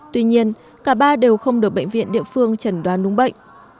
tuy nhiên cả ba đều không được bệnh viện địa phương chẩn đoán đúng bệnh